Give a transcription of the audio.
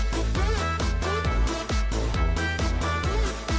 โปรดติดตามต่อไป